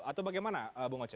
atau bagaimana bu moce